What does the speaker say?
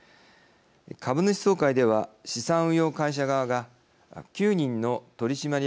株主総会では資産運用会社側が９人の取締役候補を提案。